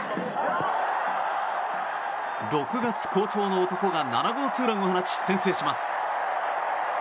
６月好調の男が７号ツーランを放ち先制します。